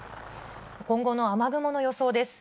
今後の雨雲の予想です。